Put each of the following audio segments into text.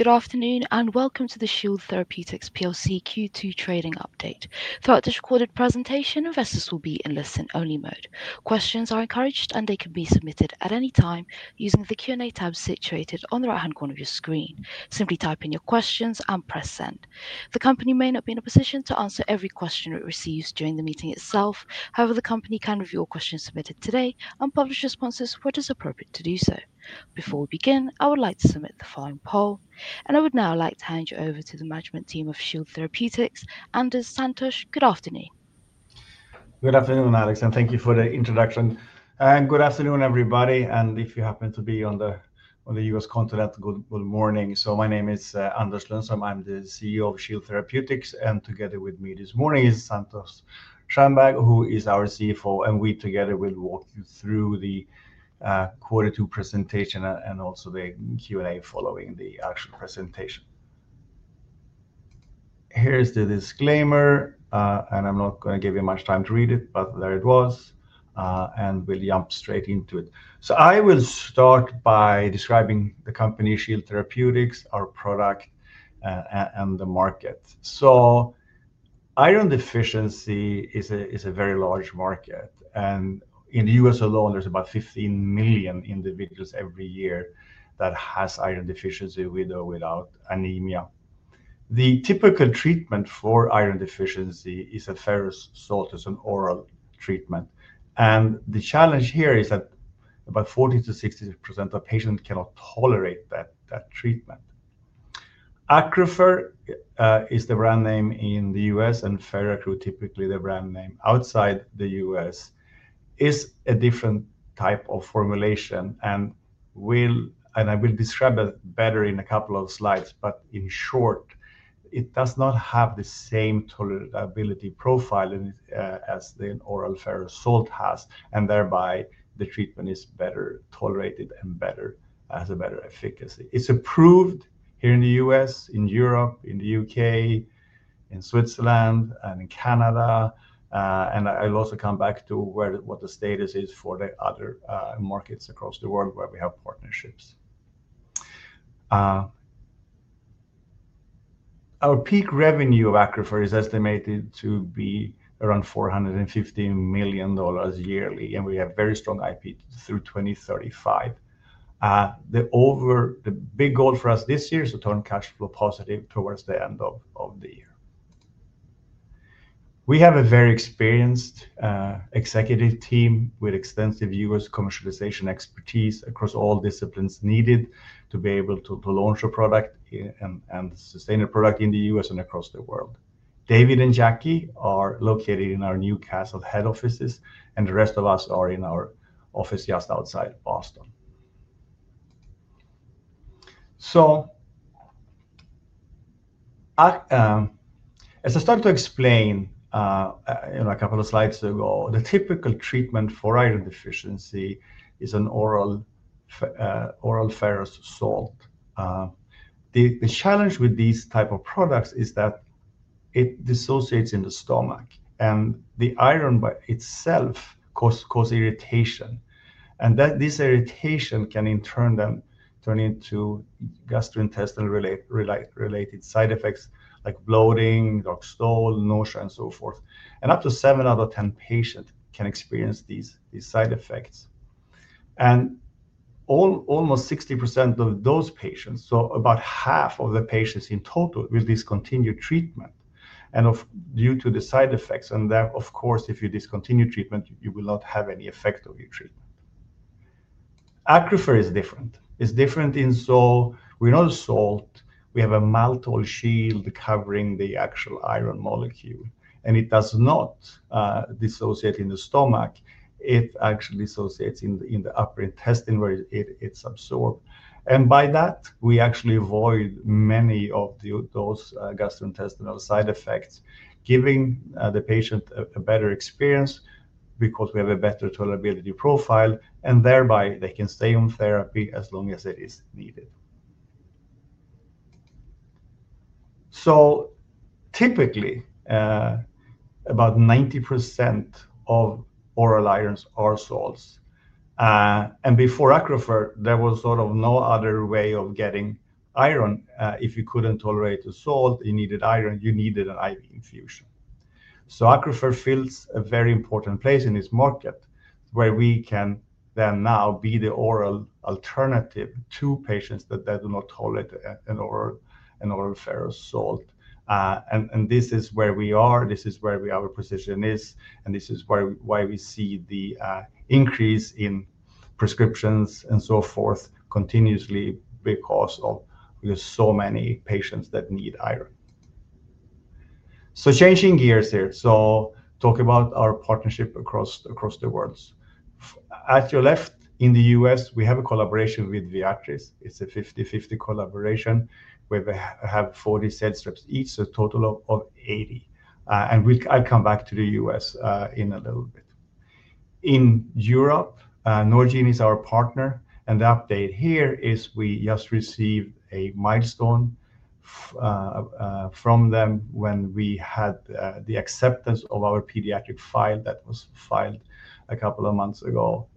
Good afternoon and welcome to the Shield Therapeutics PLC Q2 trading update. Throughout this recorded presentation, investors will be in listen-only mode. Questions are encouraged and they can be submitted at any time using the Q&A tab situated on the right-hand corner of your screen. Simply type in your questions and press send. The company may not be in a position to answer every question it receives during the meeting itself. However, the company can review all questions submitted today and publish responses where it is appropriate to do so. Before we begin, I would like to submit the following poll. I would now like to hand you over to the management team of Shield Therapeutics, Anders Lundstrom. Santosh, good afternoon. Good afternoon, Alex, and thank you for the introduction. Good afternoon, everybody. If you happen to be on the U.S. continent, good morning. My name is Anders Lundstrom. I'm the CEO of Shield Therapeutics. Together with me this morning is Santosh Shanbhag, who is our CFO. We together will walk you through the quarter two presentation and also the Q&A following the actual presentation. Here's the disclaimer. I'm not going to give you much time to read it, but there it was. We'll jump straight into it. I will start by describing the company, Shield Therapeutics, our product, and the market. Iron deficiency is a very large market. In the U.S. alone, there's about 15 million individuals every year that have iron deficiency with or without anemia. The typical treatment for iron deficiency is ferrous sulfate, an oral treatment. The challenge here is that about 40%-60% of patients cannot tolerate that treatment. ACCRUFeR is the brand name in the U.S., and Feraccru, typically the brand name outside the U.S., is a different type of formulation. I will describe that better in a couple of slides. In short, it does not have the same tolerability profile as the oral ferrous sulfate has. The treatment is better tolerated and has a better efficacy. It's approved here in the U.S., in Europe, in the U.K., in Switzerland, and in Canada. I'll also come back to what the status is for the other markets across the world where we have partnerships. Our peak revenue of ACCRUFeR is estimated to be around $415 million yearly. We have very strong intellectual property protection through 2035. The big goal for us this year is to turn cash flow positive towards the end of the year. We have a very experienced executive team with extensive U.S. commercialization expertise across all disciplines needed to be able to launch a product and sustain a product in the U.S. and across the world. David and Jackie are located in our Newcastle head offices. The rest of us are in our office just outside Boston. As I started to explain a couple of slides ago, the typical treatment for iron deficiency is an oral ferrous sulfate. The challenge with these types of products is that it dissociates in the stomach. The iron by itself causes irritation. This irritation can in turn then turn into gastrointestinal-related side effects like bloating, dark stool, nausea, and so forth. Up to seven out of 10 patients can experience these side effects. Almost 60% of those patients, so about half of the patients in total, will discontinue treatment due to the side effects. Of course, if you discontinue treatment, you will not have any effect of your treatment. ACCRUFeR is different. It's different in that we're not a salt. We have a maltose shield covering the actual iron molecule. It does not dissociate in the stomach. It actually dissociates in the upper intestine where it's absorbed. By that, we actually avoid many of those gastrointestinal side effects, giving the patient a better experience because we have a better tolerability profile. They can stay on therapy as long as it is needed. Typically, about 90% of oral irons are salts. Before ACCRUFeR, there was sort of no other way of getting iron. If you couldn't tolerate a salt, you needed iron, you needed an IV infusion. ACCRUFeR fills a very important place in this market where we can now be the oral alternative to patients that do not tolerate an oral ferrous sulfate. This is where we are. This is where our position is. This is why we see the increase in prescriptions and so forth continuously because of so many patients that need iron. Changing gears here, to talk about our partnership across the world. At your left in the U.S., we have a collaboration with Viatris. It's a 50/50 collaboration. We have 40 sets each, so a total of 80. I'll come back to the U.S. in a little bit. In Europe, Norgine is our partner. The update here is we just received a milestone from them when we had the acceptance of our pediatric file that was filed a couple of months ago.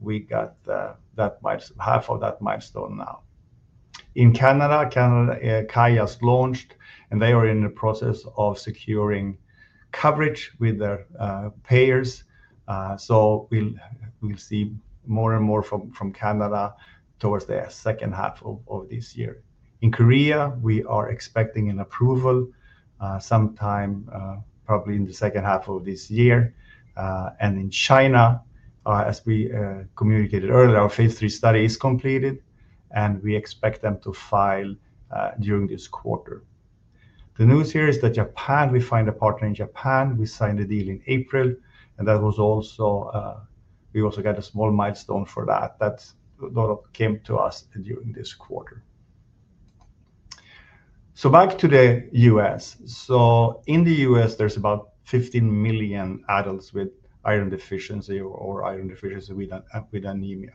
We got half of that milestone now. In Canada, KYE has launched. They are in the process of securing coverage with their payers. We'll see more and more from Canada towards the second half of this year. In Korea, we are expecting an approval sometime probably in the second half of this year. In China, as we communicated earlier, our phase III study is completed. We expect them to file during this quarter. The news here is that in Japan, we found a partner. We signed a deal in April. We also got a small milestone for that. That came to us during this quarter. Back to the U.S. In the U.S., there's about 15 million adults with iron deficiency or iron deficiency with anemia.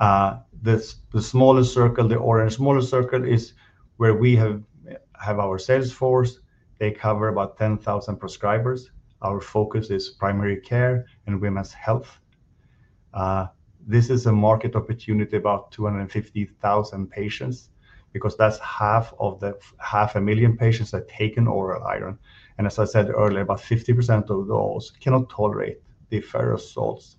The smaller circle, the orange smaller circle, is where we have our sales force. They cover about 10,000 prescribers. Our focus is primary care and women's health. This is a market opportunity of about 250,000 patients because that's half of the half a million patients that take oral iron. As I said earlier, about 50% of those cannot tolerate the ferrous sulfate.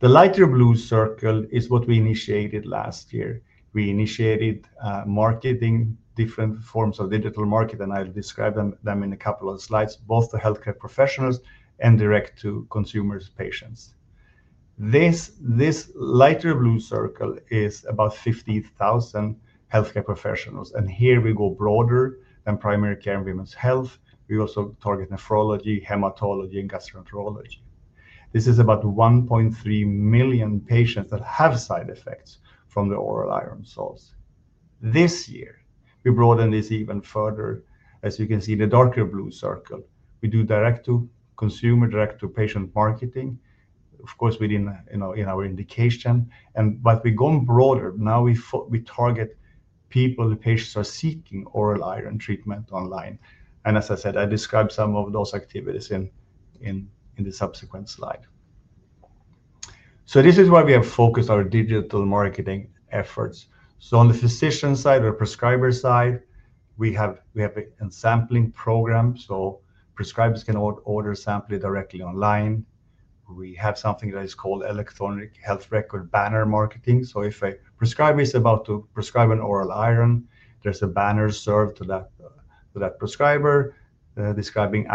The lighter blue circle is what we initiated last year. We initiated marketing different forms of digital marketing. I'll describe them in a couple of slides, both to healthcare professionals and direct to consumers, patients. This lighter blue circle is about 50,000 healthcare professionals. Here we go broader than primary care and women's health. We also target nephrology, hematology, and gastroenterology. This is about 1.3 million patients that have side effects from the oral iron salts. This year, we broadened this even further. As you can see, the darker blue circle, we do direct to consumer, direct to patient marketing, of course, within our indication. We've gone broader. Now we target people, patients who are seeking oral iron treatment online. As I said, I describe some of those activities in the subsequent slide. This is where we have focused our digital marketing efforts. On the physician side or prescriber side, we have a sampling program. Prescribers can order samples directly online. We have something that is called electronic health record banner marketing. If a prescriber is about to prescribe an oral iron, there's a banner served to that prescriber describing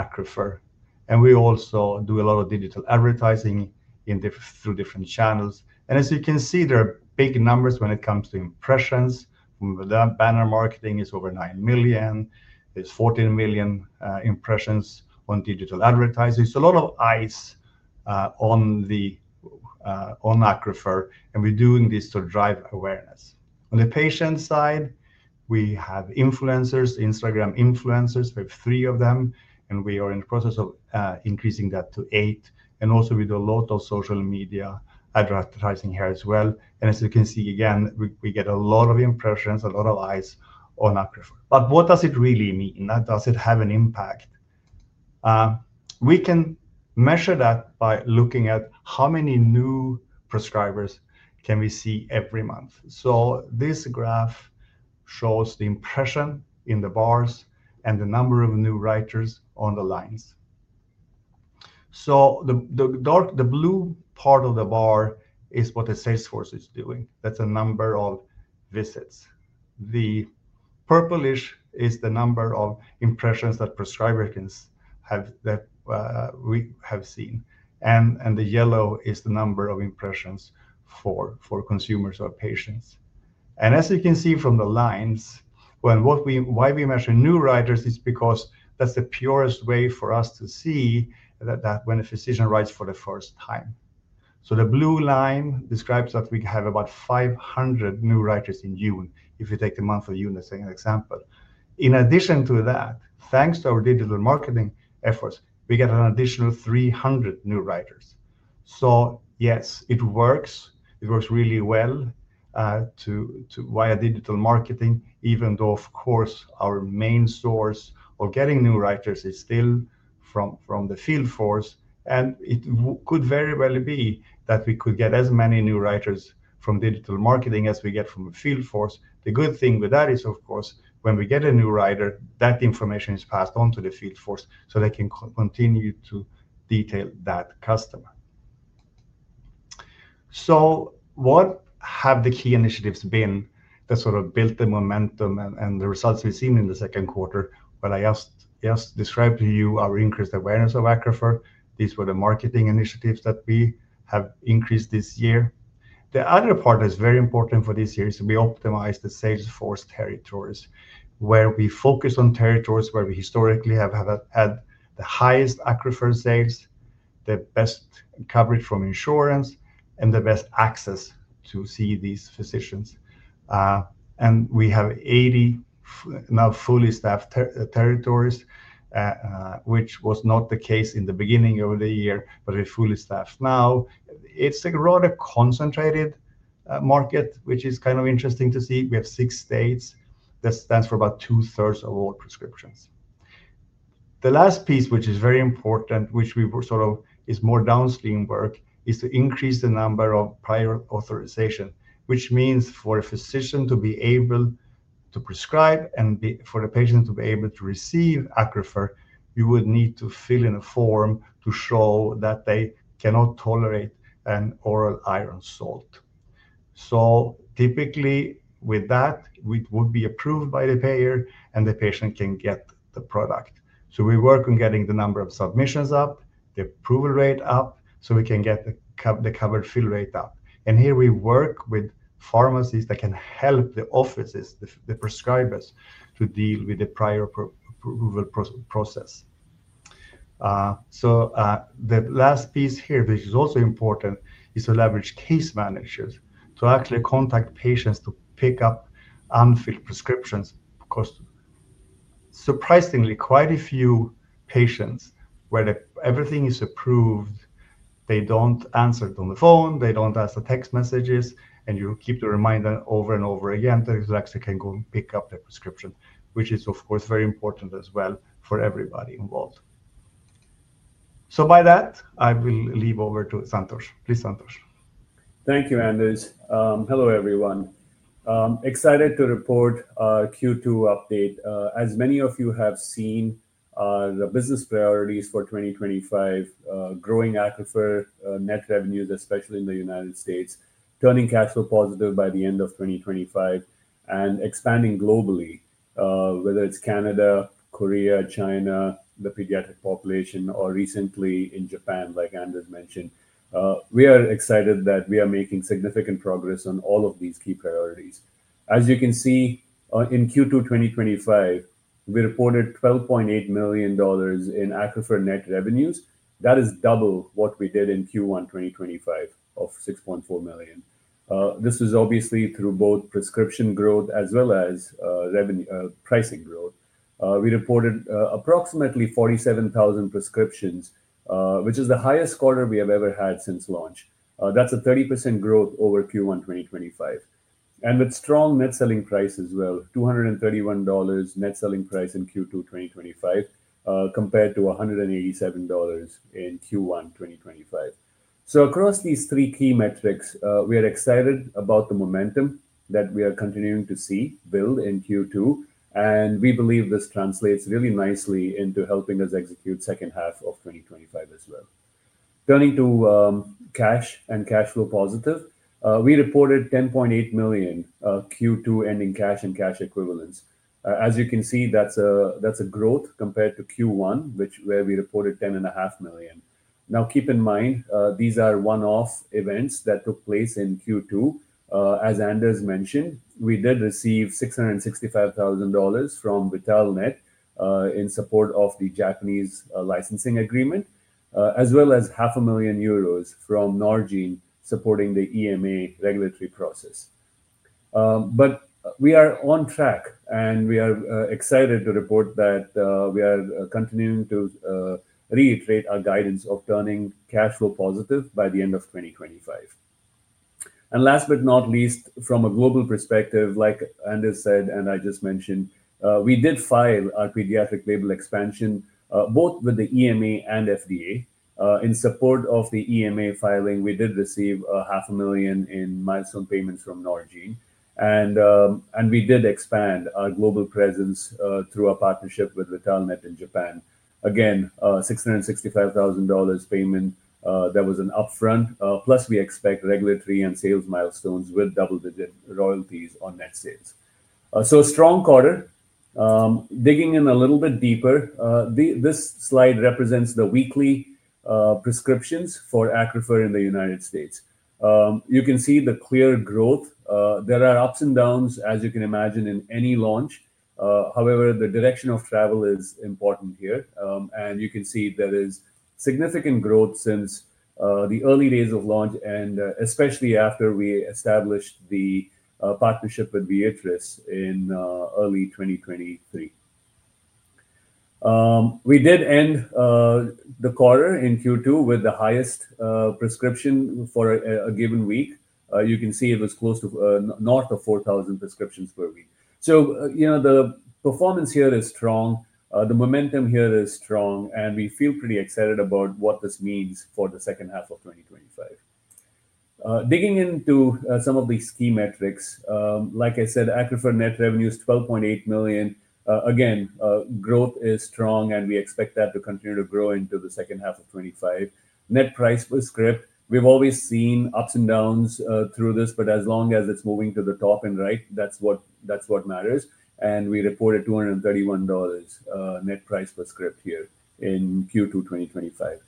ACCRUFeR. We also do a lot of digital advertising through different channels. As you can see, there are big numbers when it comes to impressions. That banner marketing is over 9 million. There's 14 million impressions on digital advertising. A lot of eyes on ACCRUFeR. We're doing this to drive awareness. On the patient side, we have influencers, Instagram influencers. We have three of them, and we are in the process of increasing that to eight. We do a lot of social media advertising here as well. As you can see, again, we get a lot of impressions, a lot of eyes on ACCRUFeR. What does it really mean? Does it have an impact? We can measure that by looking at how many new prescribers we can see every month. This graph shows the impression in the bars and the number of new writers on the lines. The dark blue part of the bar is what the sales force is doing. That's the number of visits. The purplish is the number of impressions that prescribers have seen. The yellow is the number of impressions for consumers or patients. As you can see from the lines, we measure new writers because that's the purest way for us to see when a physician writes for the first time. The blue line describes that we have about 500 new writers in June, if you take the month of June as an example. In addition to that, thanks to our digital marketing efforts, we get an additional 300 new writers. Yes, it works. It works really well via digital marketing, even though, of course, our main source for getting new writers is still from the field force. It could very well be that we could get as many new writers from digital marketing as we get from the field force. The good thing with that is, of course, when we get a new writer, that information is passed on to the field force so they can continue to detail that customer. What have the key initiatives been that built the momentum and the results we've seen in the second quarter? I just described to you our increased awareness of ACCRUFeR. These were the marketing initiatives that we have increased this year. The other part that is very important for this year is that we optimize the sales force territories, where we focus on territories where we historically have had the highest ACCRUFeR sales, the best coverage from insurance, and the best access to see these physicians. We have 80 now fully staffed territories, which was not the case in the beginning of the year, but we're fully staffed now. It's a rather concentrated market, which is kind of interesting to see. We have six states that stand for about two-thirds of all prescriptions. The last piece, which is very important and is more downstream work, is to increase the number of prior authorization, which means for a physician to be able to prescribe and for the patient to be able to receive ACCRUFeR, you would need to fill in a form to show that they cannot tolerate an oral iron salt. Typically, with that, it would be approved by the payer and the patient can get the product. We work on getting the number of submissions up, the approval rate up, so we can get the coverage fill rate up. Here, we work with pharmacies that can help the offices, the prescribers, to deal with the prior approval process. The last piece here, which is also important, is to leverage case managers to actually contact patients to pick up unfilled prescriptions because, surprisingly, quite a few patients where everything is approved, they don't answer on the phone, they don't answer text messages, and you keep the reminder over and over again that you actually can go and pick up that prescription, which is, of course, very important as well for everybody involved. By that, I will leave over to Santosh. Please, Santosh. Thank you, Anders. Hello, everyone. Excited to report our Q2 update. As many of you have seen, the business priorities for 2025 are growing ACCRUFeR net revenues, especially in the United States, turning cash flow positive by the end of 2025, and expanding globally, whether it's Canada, Korea, China, the pediatric population, or recently in Japan, like Anders mentioned. We are excited that we are making significant progress on all of these key priorities. As you can see, in Q2 2025, we reported $12.8 million in ACCRUFeR net revenues. That is double what we did in Q1 2025 of $6.4 million. This was obviously through both prescription growth as well as pricing growth. We reported approximately 47,000 prescriptions, which is the highest quarter we have ever had since launch. That's a 30% growth over Q1 2025, with strong net selling prices as well, $231 net selling price in Q2 2025 compared to $187 in Q1 2025. Across these three key metrics, we are excited about the momentum that we are continuing to see build in Q2, and we believe this translates really nicely into helping us execute the second half of 2025 as well. Turning to cash and cash flow positive, we reported $10.8 million Q2 ending cash and cash equivalents. As you can see, that's a growth compared to Q1, where we reported $10.5 million. Keep in mind, these are one-off events that took place in Q2. As Anders mentioned, we did receive $665,000 from Vitalnet in support of the Japanese licensing agreement, as well as 500,000 euros from Norgine supporting the EMA regulatory process. We are on track, and we are excited to report that we are continuing to reiterate our guidance of turning cash flow positive by the end of 2025. Last but not least, from a global perspective, like Anders said and I just mentioned, we did file our pediatric label expansion both with the EMA and FDA. In support of the EMA filing, we did receive 500,000 in milestone payments from Norgine. We did expand our global presence through our partnership with Vitalnet in Japan. Again, $665,000 payment that was an upfront, plus we expect regulatory and sales milestones with double-digit royalties on net sales. A strong quarter. Digging in a little bit deeper, this slide represents the weekly prescriptions for ACCRUFeR in the United States. You can see the clear growth. There are ups and downs, as you can imagine, in any launch. However, the direction of travel is important here. You can see there is significant growth since the early days of launch, and especially after we established the partnership with Viatris in early 2023. We did end the quarter in Q2 with the highest prescription for a given week. You can see it was close to north of 4,000 prescriptions per week. The performance here is strong. The momentum here is strong. We feel pretty excited about what this means for the second half of 2025. Digging into some of these key metrics, like I said, ACCRUFeR net revenue is $12.8 million. Growth is strong. We expect that to continue to grow into the second half of 2025. Net price per script, we've always seen ups and downs through this. As long as it's moving to the top and right, that's what matters. We reported $231 net price per script here in Q2 2025.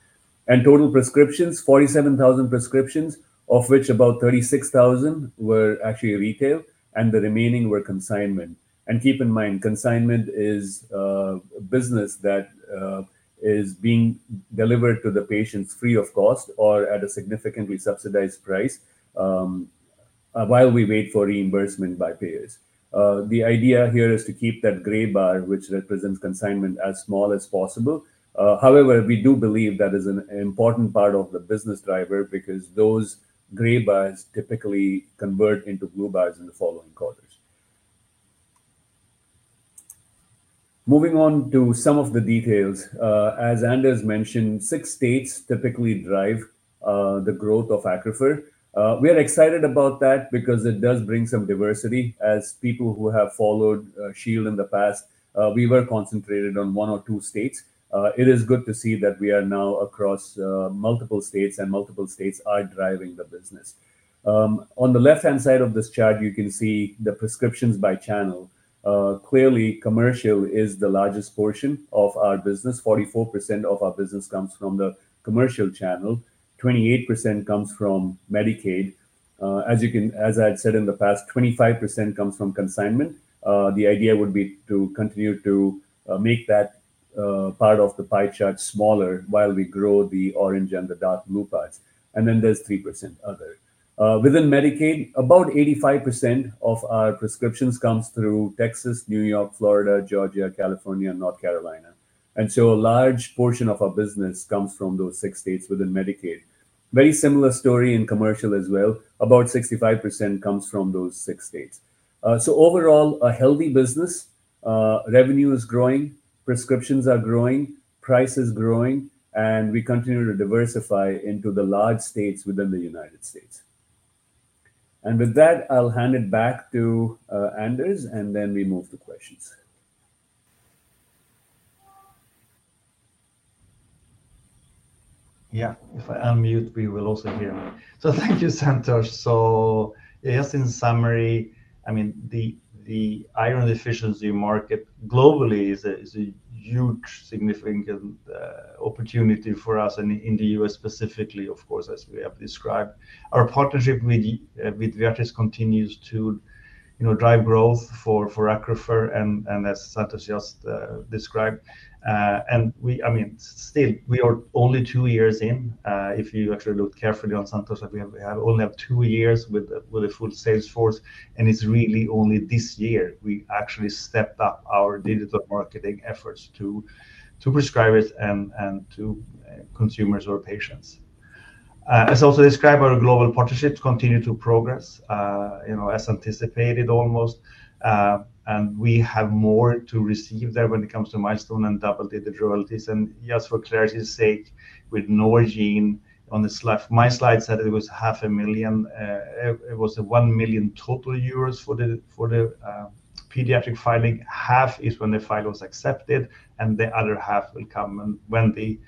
Total prescriptions, 47,000 prescriptions, of which about 36,000 were actually retail. The remaining were consignment. Keep in mind, consignment is a business that is being delivered to the patients free of cost or at a significantly subsidized price while we wait for reimbursement by payers. The idea here is to keep that gray bar, which represents consignment, as small as possible. We do believe that is an important part of the business driver because those gray bars typically convert into blue bars in the following quarters. Moving on to some of the details, as Anders mentioned, six states typically drive the growth of ACCRUFeR. We are excited about that because it does bring some diversity. As people who have followed Shield in the past, we were concentrated on one or two states. It is good to see that we are now across multiple states and multiple states are driving the business. On the left-hand side of this chart, you can see the prescriptions by channel. Clearly, commercial is the largest portion of our business. 44% of our business comes from the commercial channel. 28% comes from Medicaid. As I had said in the past, 25% comes from consignment. The idea would be to continue to make that part of the pie chart smaller while we grow the orange and the dark blue parts. There is 3% other. Within Medicaid, about 85% of our prescriptions come through Texas, New York, Florida, Georgia, California, and North Carolina. A large portion of our business comes from those six states within Medicaid. Very similar story in commercial as well. About 65% comes from those six states. Overall, a healthy business. Revenue is growing. Prescriptions are growing. Price is growing. We continue to diversify into the large states within the United States. With that, I'll hand it back to Anders. We move to questions. If I unmute, we will also hear. Thank you, Santosh. Just in summary, the iron deficiency market globally is a huge significant opportunity for us in the United States specifically, of course, as we have described. Our partnership with Viatris continues to drive growth for ACCRUFeR and as Santosh just described. We are only two years in. If you actually look carefully on Santosh, we have only had two years with a full sales force. It's really only this year we actually stepped up our digital marketing efforts to prescribers and to consumers or patients. As I also described, our global partnerships continue to progress as anticipated almost. We have more to receive there when it comes to milestones and double-digit royalties. Just for clarity's sake, with Norgine on the slide, my slide said it was half a million. It was 1 million euros total for the pediatric filing. Half is when the file was accepted. The other half will come when the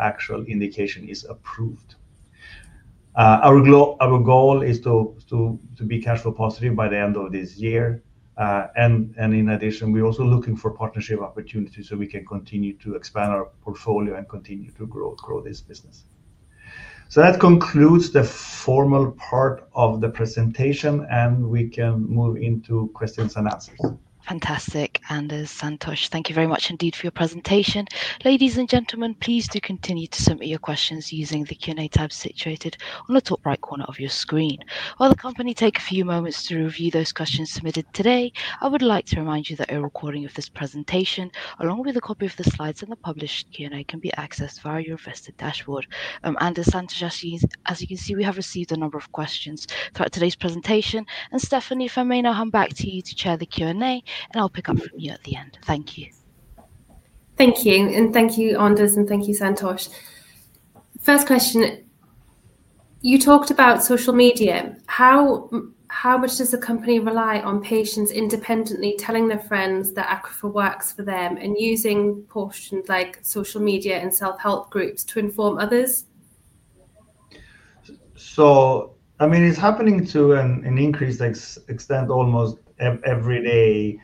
actual indication is approved. Our goal is to be cash flow positive by the end of this year. In addition, we're also looking for partnership opportunities so we can continue to expand our portfolio and continue to grow this business. That concludes the formal part of the presentation. We can move into questions and answers. Fantastic, Anders, Santosh. Thank you very much indeed for your presentation. Ladies and gentlemen, please do continue to submit your questions using the Q&A tab situated on the top right corner of your screen. While the company takes a few moments to review those questions submitted today, I would like to remind you that a recording of this presentation, along with a copy of the slides and the published Q&A, can be accessed via your vested dashboard. Anders, Santosh, as you can see, we have received a number of questions throughout today's presentation. Stephanie, if I may now hand back to you to chair the Q&A. I'll pick up from you at the end. Thank you. Thank you. Thank you, Anders. Thank you, Santosh. First question, you talked about social media. How much does the company rely on patients independently telling their friends that ACCRUFeR works for them and using caution like social media and self-help groups to inform others? It is happening to an increased extent almost every day.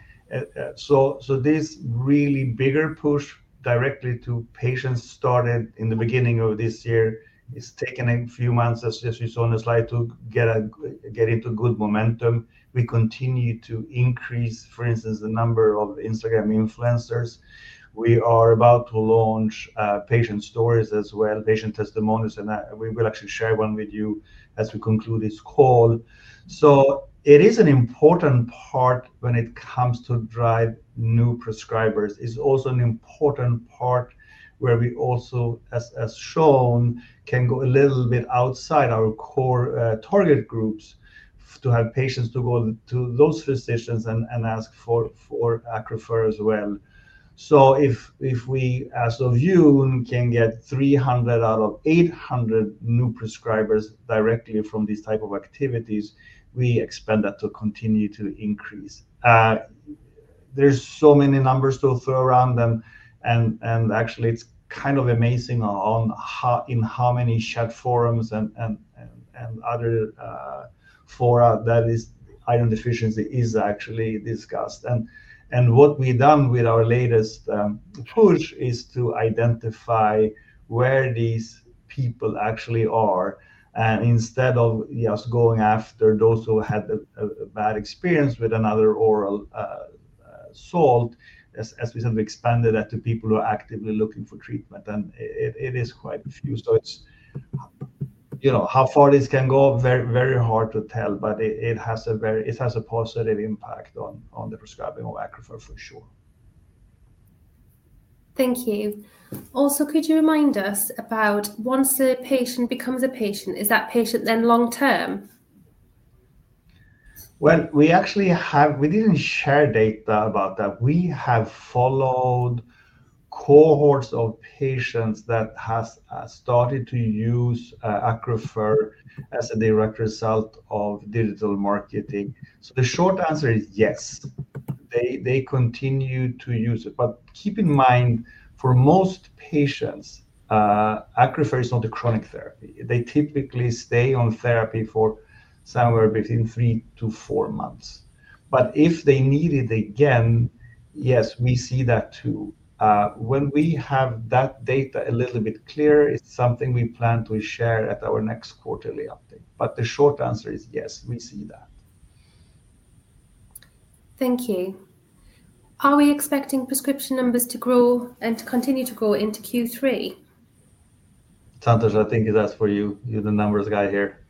This really bigger push directly to patients started in the beginning of this year. It has taken a few months, as you saw on the slide, to get into good momentum. We continue to increase, for instance, the number of Instagram influencers. We are about to launch patient stories as well, patient testimonials. We will actually share one with you as we conclude this call. It is an important part when it comes to drive new prescribers. It is also an important part where we also, as shown, can go a little bit outside our core target groups to have patients go to those physicians and ask for ACCRUFeR as well. If we, as of June, can get 300 out of 800 new prescribers directly from these types of activities, we expect that to continue to increase. There are so many numbers to throw around. It is kind of amazing in how many chat forums and other fora that iron deficiency is actually discussed. What we have done with our latest push is to identify where these people actually are. Instead of just going after those who had a bad experience with another oral salt, as we said, we expanded that to people who are actively looking for treatment. It is quite a few. How far this can go is very hard to tell, but it has a positive impact on the prescribing of ACCRUFeR for sure. Thank you. Also, could you remind us about once the patient becomes a patient, is that patient then long-term? We actually have, we didn't share data about that. We have followed cohorts of patients that have started to use ACCRUFeR as a direct result of digital marketing. The short answer is yes. They continue to use it. Keep in mind, for most patients, ACCRUFeR is not a chronic therapy. They typically stay on therapy for somewhere between three to four months. If they need it again, yes, we see that too. When we have that data a little bit clearer, it's something we plan to share at our next quarterly update. The short answer is yes, we see that. Thank you. Are we expecting prescription numbers to grow and to continue to grow into Q3? Santosh, I think that's for you. You're the numbers guy here.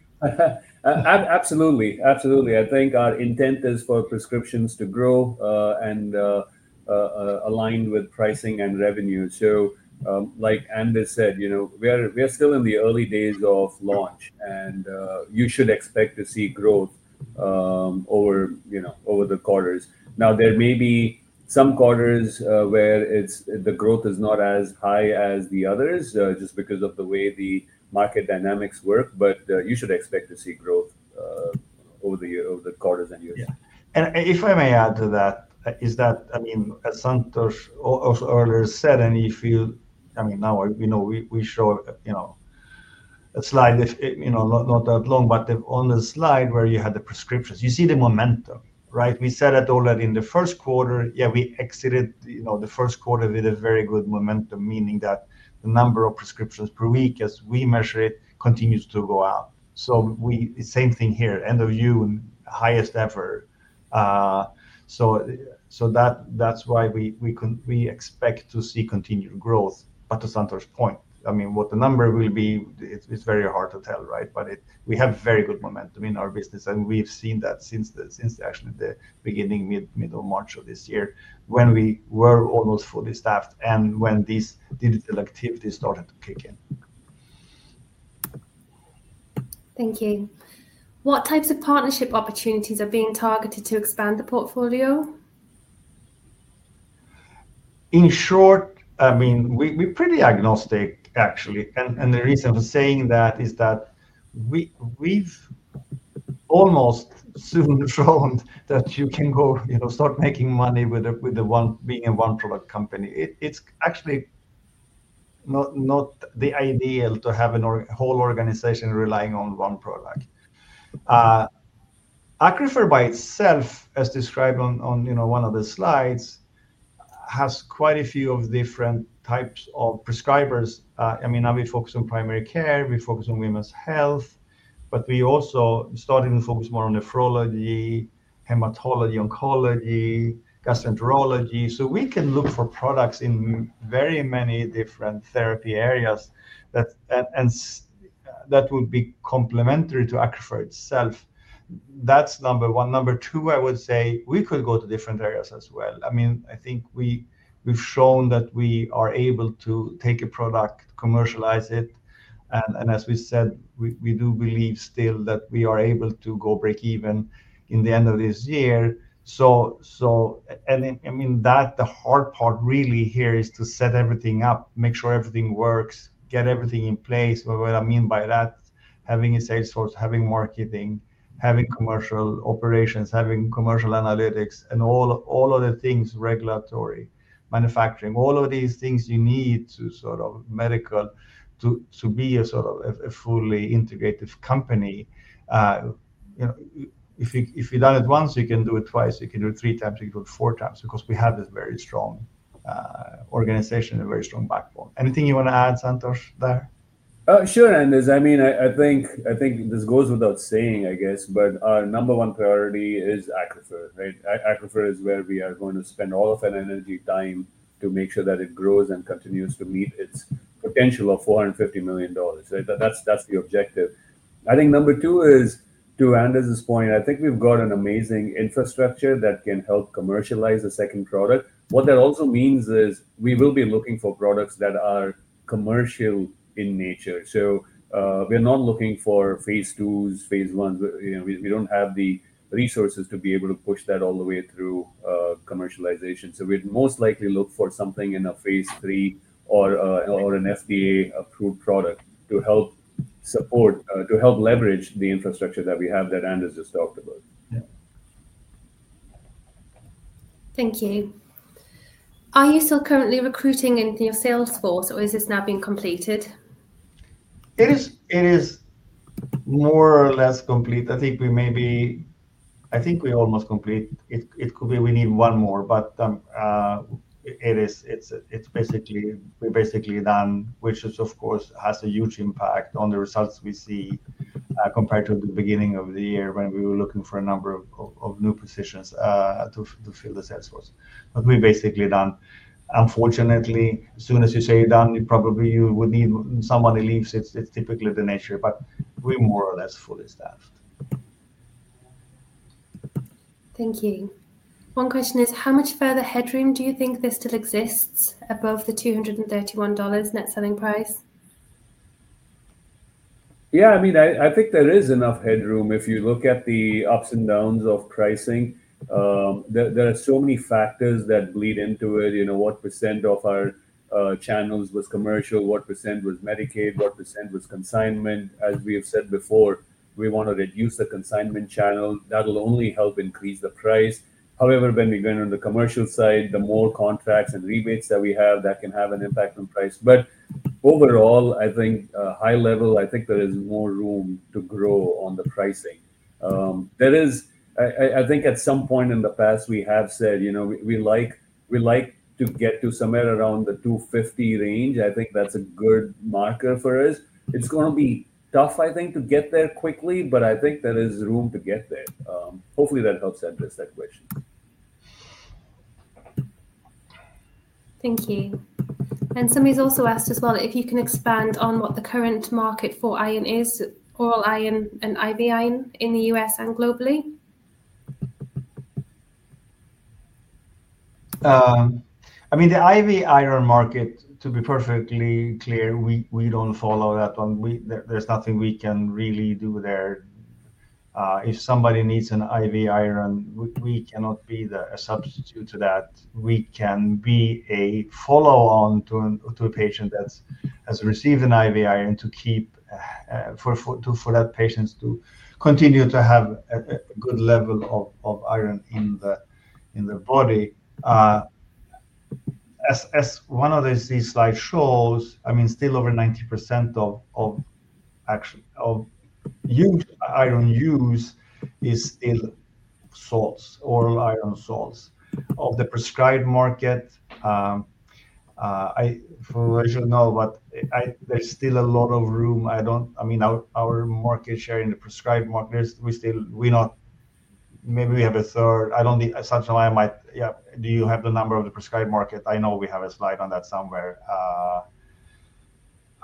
Absolutely. Absolutely. I think our intent is for prescriptions to grow and align with pricing and revenue. Like Anders said, you know, we're still in the early days of launch. You should expect to see growth over the quarters. There may be some quarters where the growth is not as high as the others just because of the way the market dynamics work. You should expect to see growth over the quarters and years. Yeah. If I may add to that, as Santosh also earlier said, now we know we show a slide, not that long, but on the slide where you had the prescriptions, you see the momentum, right? We said it already in the first quarter. We exited the first quarter with a very good momentum, meaning that the number of prescriptions per week, as we measure it, continues to go up. Same thing here, end of June, highest ever. That is why we expect to see continued growth. To Santosh's point, what the number will be, it's very hard to tell, right? We have very good momentum in our business. We've seen that since actually the beginning, mid or March of this year, when we were almost fully staffed and when these digital activities started to kick in. Thank you. What types of partnership opportunities are being targeted to expand the portfolio? In short, we're pretty agnostic, actually. The reason for saying that is that we've almost soon shown that you can go, you know, start making money with being a one-product company. It's actually not the ideal to have a whole organization relying on one product. ACCRUFeR by itself, as described on one of the slides, has quite a few different types of prescribers. Now we focus on primary care. We focus on women's health. We also started to focus more on nephrology, hematology, oncology, gastroenterology. We can look for products in very many different therapy areas that will be complementary to ACCRUFeR itself. That's number one. Number two, I would say we could go to different areas as well. I think we've shown that we are able to take a product, commercialize it. As we said, we do believe still that we are able to go break even in the end of this year. The hard part really here is to set everything up, make sure everything works, get everything in place. What I mean by that, having a sales force, having marketing, having commercial operations, having commercial analytics, and all other things, regulatory, manufacturing, all of these things you need to sort of medical to be a sort of fully integrated company. If you've done it once, you can do it twice. You can do it three times. You can do it four times because we have this very strong organization and a very strong backbone. Anything you want to add, Santosh, there? Oh, sure, Anders. I mean, I think this goes without saying, I guess, but our number one priority is ACCRUFeR. ACCRUFeR is where we are going to spend all of our energy, time to make sure that it grows and continues to meet its potential of $450 million. That's the objective. I think number two is, to Anders' point, I think we've got an amazing infrastructure that can help commercialize the second product. What that also means is we will be looking for products that are commercial in nature. We're not looking for phase IIs, phase Is. We don't have the resources to be able to push that all the way through commercialization. We'd most likely look for something in a phase III or an FDA-approved product to help support, to help leverage the infrastructure that we have that Anders just talked about. Thank you. Are you still currently recruiting a new sales force, or is this now being completed? It is more or less complete. I think we're almost complete. It could be we need one more. It's basically, we're basically done, which, of course, has a huge impact on the results we see compared to the beginning of the year when we were looking for a number of new positions to fill the sales force. We're basically done. Unfortunately, as soon as you say done, you probably would need someone who leaves. It's typically the nature. We're more or less fully staffed. Thank you. One question is, how much further headroom do you think there still exists above the $231 net selling price? Yeah. I mean, I think there is enough headroom. If you look at the ups and downs of pricing, there are so many factors that bleed into it. You know, what percent of our channels was commercial, what percent was Medicaid, what percent was consignment. As we have said before, we want to reduce the consignment channel. That will only help increase the price. However, when we go on the commercial side, the more contracts and rebates that we have, that can have an impact on price. Overall, I think high level, I think there is more room to grow on the pricing. There is, I think at some point in the past, we have said, you know, we like to get to somewhere around the $250 range. I think that's a good marker for us. It's going to be tough, I think, to get there quickly. I think there is room to get there. Hopefully, that helps address that question. Thank you. Somebody's also asked as well if you can expand on what the current market for iron is, oral iron and IV iron in the U.S. and globally. I mean, the IV iron market, to be perfectly clear, we don't follow that one. There's nothing we can really do there. If somebody needs an IV iron, we cannot be a substitute to that. We can be a follow-on to a patient that has received an IV iron to keep for that patient to continue to have a good level of iron in the body. As one of these slides shows, still over 90% of huge iron use is in salts, oral iron salts of the prescribed market. I should know, but there's still a lot of room. I don't, I mean, our market share in the prescribed market, we still, we're not, maybe we have a third. I don't think, Santosh, I might, yeah, do you have the number of the prescribed market? I know we have a slide on that somewhere.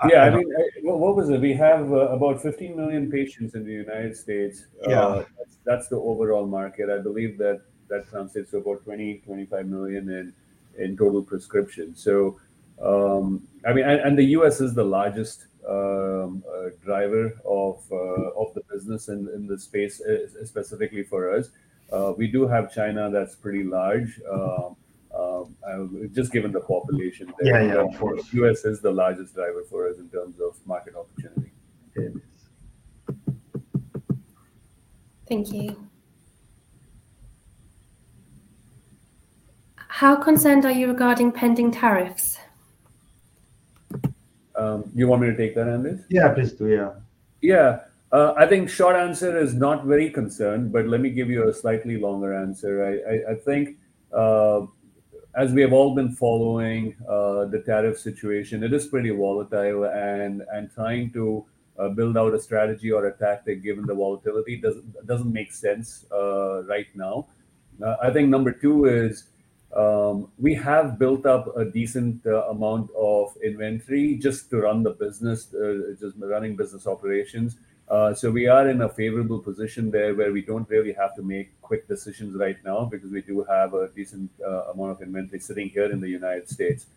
Yeah. I think, what was it? We have about 15 million patients in the United States. Yeah, that's the overall market. I believe that that sums it to about 20 million-25 million in total prescriptions. I mean, the U.S. is the largest driver of the business in the space specifically for us. We do have China that's pretty large, just given the population. Yeah, of course. U.S. is the largest driver for us in terms of market opportunity. Thank you. How concerned are you regarding pending tariffs? You want me to take that, Anders? Yeah, please do. Yeah. Yeah. I think the short answer is not very concerned. Let me give you a slightly longer answer. I think as we have all been following the tariff situation, it is pretty volatile. Trying to build out a strategy or a tactic, given the volatility, does not make sense right now. Number two is we have built up a decent amount of inventory just to run the business, just running business operations. We are in a favorable position there where we do not really have to make quick decisions right now because we do have a decent amount of inventory sitting here in the United States.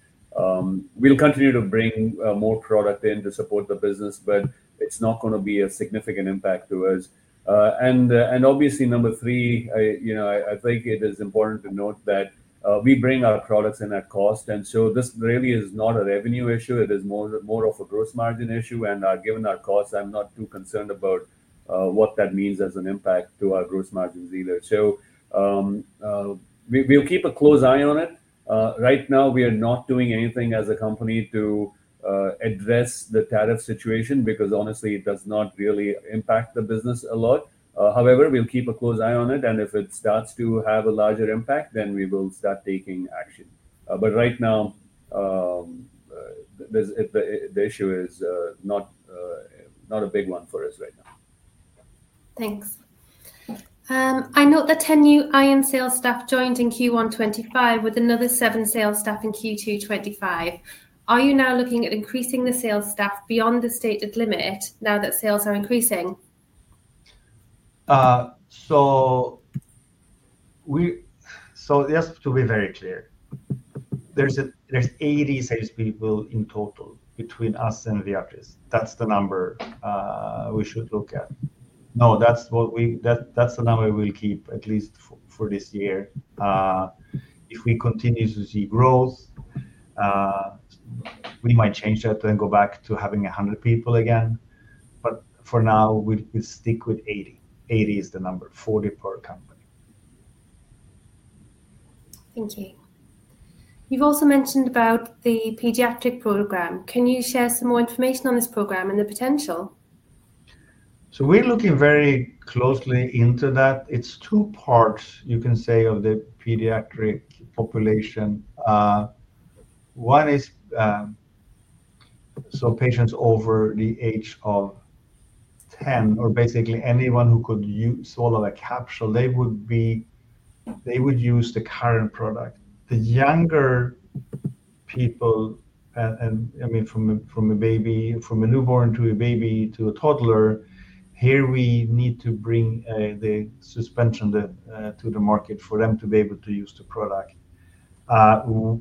We will continue to bring more product in to support the business. It is not going to be a significant impact to us. Obviously, number three, I think it is important to note that we bring our products in at cost. This really is not a revenue issue. It is more of a gross margin issue. Given our costs, I am not too concerned about what that means as an impact to our gross margins either. We will keep a close eye on it. Right now, we are not doing anything as a company to address the tariff situation because honestly, it does not really impact the business a lot. However, we will keep a close eye on it. If it starts to have a larger impact, then we will start taking action. Right now, the issue is not a big one for us, right? Thanks. I note that 10 new iron sales staff joined in Q1 2025 with another seven sales staff in Q2 2025. Are you now looking at increasing the sales staff beyond the stated limit now that sales are increasing? To be very clear, there's 80 salespeople in total between us and Viatris. That's the number we should look at. That's the number we'll keep at least for this year. If we continue to see growth, we might change that and go back to having 100 people again. For now, we'll stick with 80. 80 is the number, 40 per company. Thank you. You've also mentioned about the pediatric program. Can you share some more information on this program and the potential? We're looking very closely into that. It's two parts, you can say, of the pediatric population. One is patients over the age of 10, or basically anyone who could swallow a capsule, they would use the current product. The younger people, from a newborn to a baby to a toddler, here we need to bring the suspension to the market for them to be able to use the product.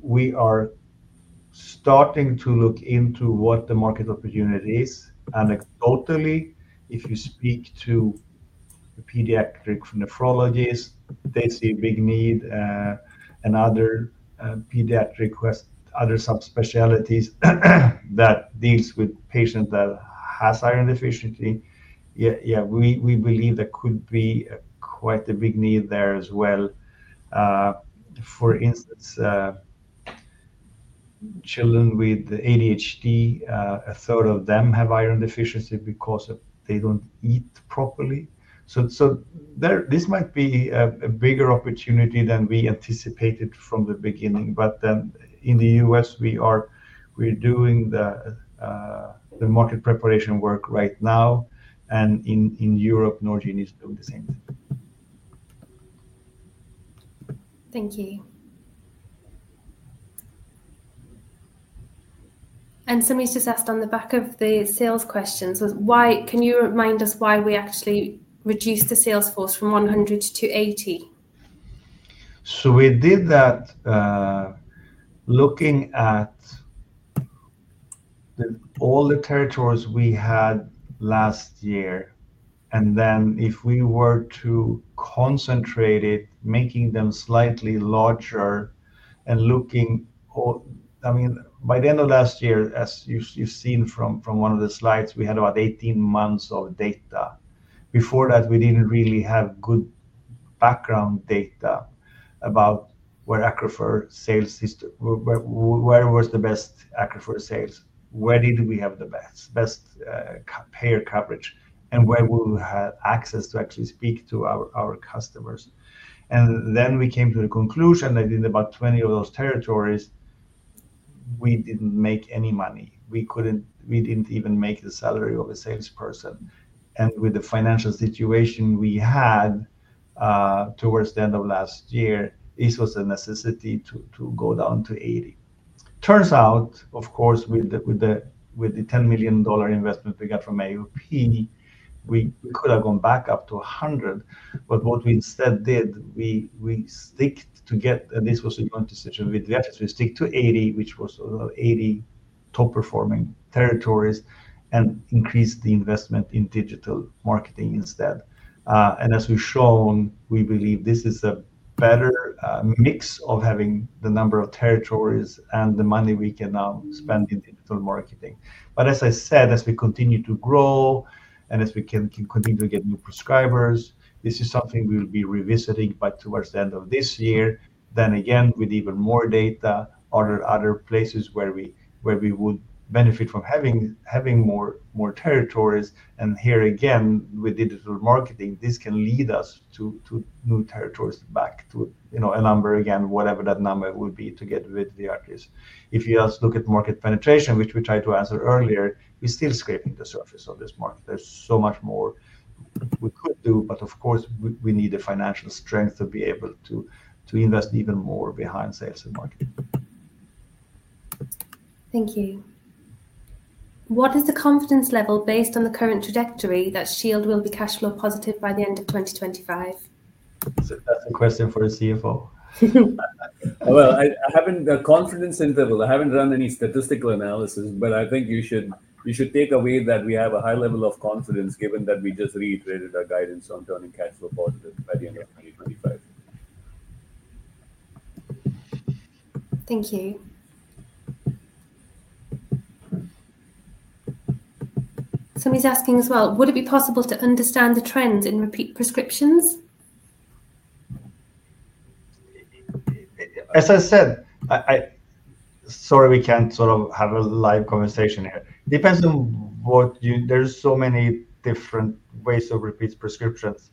We are starting to look into what the market opportunity is. Anecdotally, if you speak to the pediatric nephrologists, they see a big need, and other pediatric subspecialties that deal with patients that have iron deficiency. We believe there could be quite a big need there as well. For instance, children with ADHD, a third of them have iron deficiency because they don't eat properly. This might be a bigger opportunity than we anticipated from the beginning. In the U.S., we're doing the market preparation work right now. In Europe, Norgine is doing the same thing. Thank you. Somebody just asked on the back of the sales questions, can you remind us why we actually reduced the sales force from 100 to 28? We did that looking at all the territories we had last year. If we were to concentrate it, making them slightly larger, and looking, by the end of last year, as you've seen from one of the slides, we had about 18 months of data. Before that, we didn't really have good background data about where ACCRUFeR sales system, where was the best ACCRUFeR sales, where did we have the best payer coverage, and where we had access to actually speak to our customers. We came to the conclusion that in about 20 of those territories, we didn't make any money. We didn't even make the salary of a salesperson. With the financial situation we had towards the end of last year, this was a necessity to go down to 80. It turns out, with the $10 million investment we got from AUP, we could have gone back up to 100. What we instead did, we stuck to, and this was a consultation with Viatris, we stuck to 80, which was about 80 top-performing territories, and increased the investment in digital marketing instead. As we've shown, we believe this is a better mix of having the number of territories and the money we can now spend in digital marketing. As I said, as we continue to grow and as we can continue to get new prescribers, this is something we'll be revisiting by towards the end of this year. With even more data, other places where we would benefit from having more territories. Here again, with digital marketing, this can lead us to new territories back to a number again, whatever that number would be together with Viatris. If you just look at market penetration, which we tried to answer earlier, we're still scraping the surface of this market. There's so much more we could do. We need the financial strength to be able to invest even more behind sales and marketing. Thank you. What is the confidence level based on the current trajectory that Shield will be cash flow positive by the end of 2025? Question for the CFO. I haven't the confidence interval, I haven't run any statistical analysis. I think you should take away that we have a high level of confidence, given that we just reiterated our guidance on turning cash flow positive by the end of 2025. Thank you. Somebody's asking as well, would it be possible to understand the trends in repeat prescriptions? As I said, sorry, we can't sort of have a live conversation here. It depends on what you, there's so many different ways to repeat prescriptions.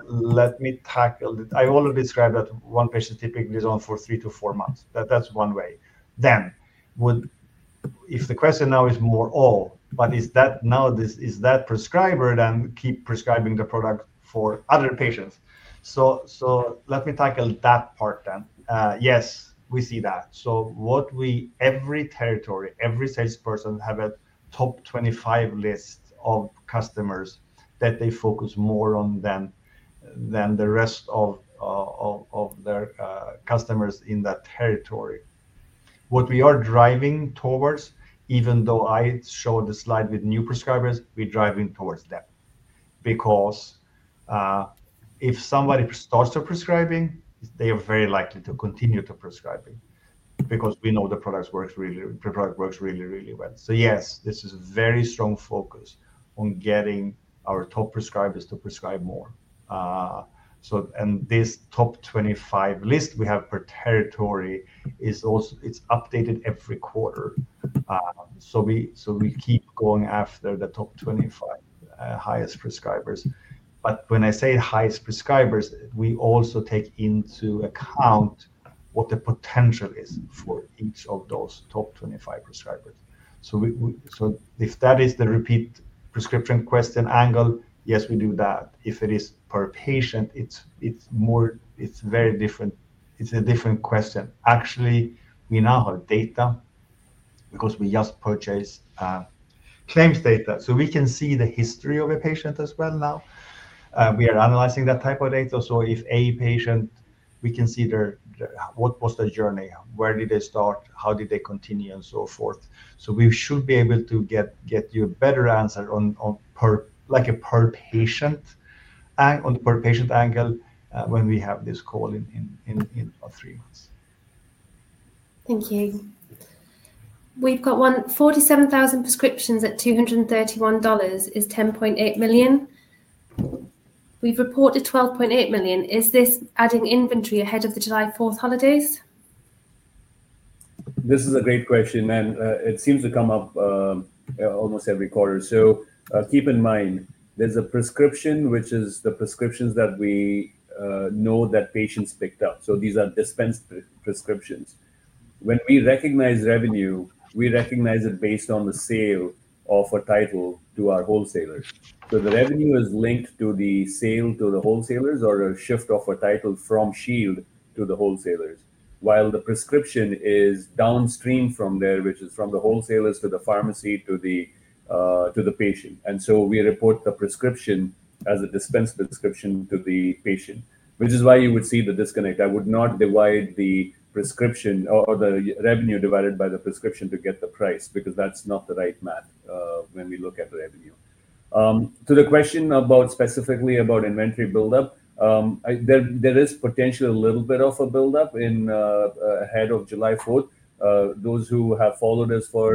Let me tackle, I always describe that one patient typically is on for three to four months. That's one way. If the question now is more, oh, but is that now, is that prescriber then keep prescribing the product for other patients? Let me tackle that part then. Yes, we see that. Every territory, every salesperson has a top 25 list of customers that they focus more on than the rest of their customers in that territory. What we are driving towards, even though I showed the slide with new prescribers, we're driving towards that. If somebody starts prescribing, they are very likely to continue to prescribe because we know the product works really, the product works really, really well. Yes, this is a very strong focus on getting our top prescribers to prescribe more. This top 25 list we have per territory is also updated every quarter. We keep going after the top 25 highest prescribers. When I say highest prescribers, we also take into account what the potential is for each of those top 25 prescribers. If that is the repeat prescription question angle, yes, we do that. If it is per patient, it's very different, it's a different question. Actually, we now have data because we just purchased claims data. We can see the history of a patient as well now. We are analyzing that type of data. If a patient, we can see what was the journey, where did they start, how did they continue, and so forth. We should be able to get you a better answer on a per patient and on the per patient angle when we have this call in three months. Thank you. We've got 47,000 prescriptions at $231 is $10.8 million. We've reported $12.8 million. Is this adding inventory ahead of the July 4th holidays? This is a great question. It seems to come up almost every quarter. Keep in mind, there's a prescription, which is the prescriptions that we know that patients picked up. These are dispensed prescriptions. When we recognize revenue, we recognize it based on the sale of a title to our wholesalers. The revenue is linked to the sale to the wholesalers or a shift of a title from Shield to the wholesalers, while the prescription is downstream from there, which is from the wholesalers to the pharmacy to the patient. We report the prescription as a dispensed prescription to the patient, which is why you would see the disconnect. I would not divide the prescription or the revenue divided by the prescription to get the price because that's not the right math when we look at revenue. To the question specifically about inventory buildup, there is potentially a little bit of a buildup ahead of July 4th. Those who have followed us for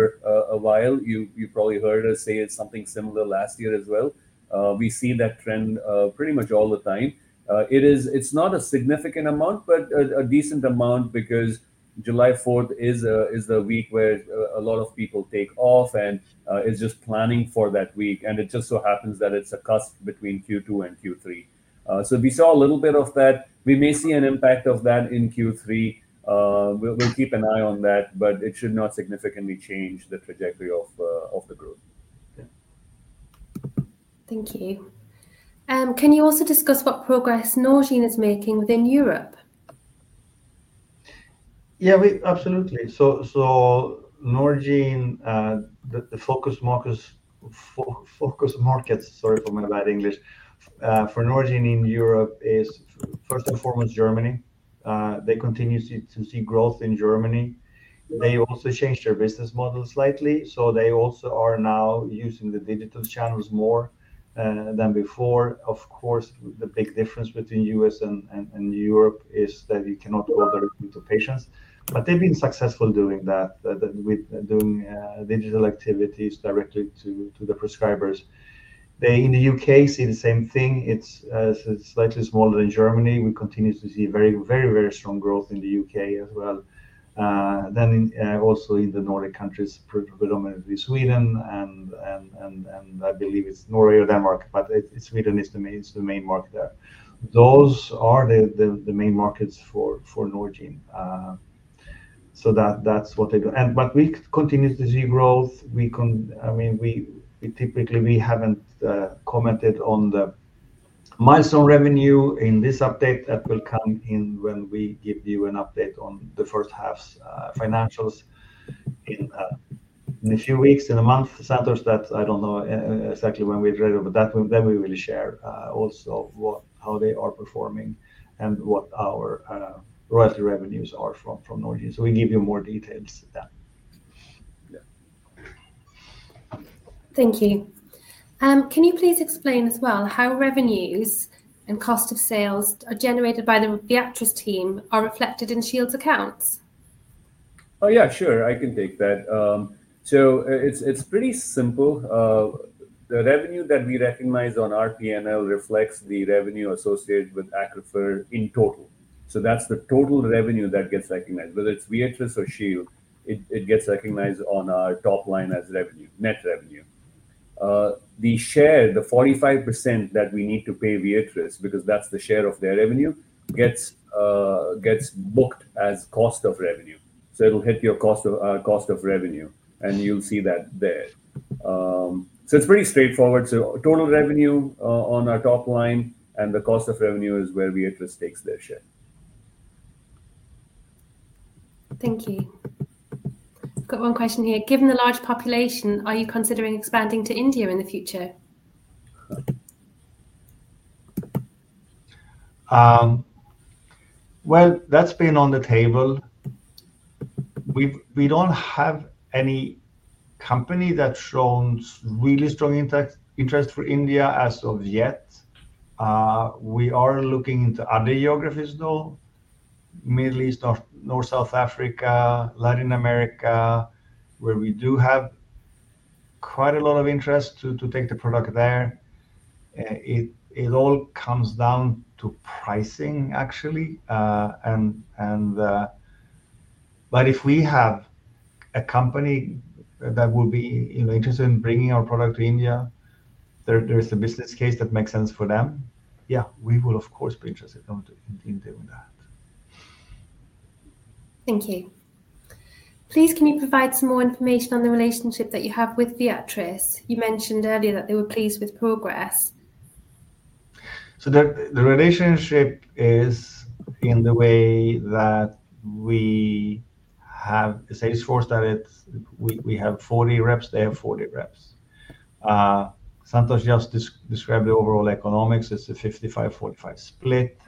a while, you probably heard us say something similar last year as well. We see that trend pretty much all the time. It's not a significant amount, but a decent amount because July 4th is the week where a lot of people take off and are just planning for that week. It just so happens that it's a cusp between Q2 and Q3. We saw a little bit of that. We may see an impact of that in Q3. We'll keep an eye on that. It should not significantly change the trajectory of the growth. Thank you. Can you also discuss what progress Norgine is making within Europe? Yeah, absolutely. Norgine, the focus markets for Norgine in Europe are first and foremost Germany. They continue to see growth in Germany. They also changed their business model slightly. They are now using the digital channels more than before. Of course, the big difference between the U.S. and Europe is that you cannot go directly to patients. They've been successful doing that, with digital activities directly to the prescribers. In the U.K., you see the same thing. It's slightly smaller than Germany. We continue to see very, very, very strong growth in the U.K. as well. Also in the Nordic countries, predominantly Sweden. I believe it's Norway or Denmark, but Sweden is the main market there. Those are the main markets for Norgine. We continue to see growth. We typically haven't commented on the milestone revenue in this update. That will come in when we give you an update on the first half's financials in a few weeks, in a month, Santosh. I don't know exactly when we're ready. Then we will share also how they are performing and what our royalty revenues are from Norgine. We can give you more details. Thank you. Can you please explain as well how revenues and cost of sales that are generated by the Viatris team are reflected in Shield's accounts? Oh, yeah, sure. I can take that. It's pretty simple. The revenue that we recognize on our P&L reflects the revenue associated with ACCRUFeR in total. That's the total revenue that gets recognized. Whether it's Viatris or Shield, it gets recognized on our top line as net revenue. The share, the 45% that we need to pay Viatris because that's the share of their revenue, gets booked as cost of revenue. It'll hit your cost of revenue, and you'll see that there. It's pretty straightforward. Total revenue on our top line and the cost of revenue is where Viatris takes their share. Thank you. I've got one question here. Given the large population, are you considering expanding to India in the future? That has been on the table. We don't have any company that shows really strong interest for India as of yet. We are looking into other geographies, though, Middle East, North, South Africa, Latin America, where we do have quite a lot of interest to take the product there. It all comes down to pricing, actually. If we have a company that will be interested in bringing our product to India, there's a business case that makes sense for them. Yeah, we will, of course, be interested in doing that. Thank you. Please, can you provide some more information on the relationship that you have with Viatris? You mentioned earlier that they were pleased with progress. The relationship is in the way that we have a sales force that we have 40 reps. They have 40 reps. Santosh just described the overall economics. It's a 55-45 split.